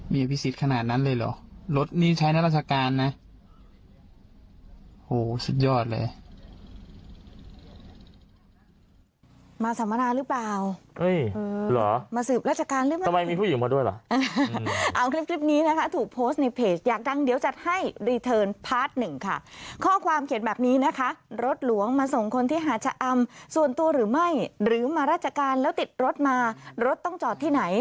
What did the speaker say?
มีอภิษฐศ์ขนาดนั้นเลยเหรอรถนี้ใช้นักราชการนะ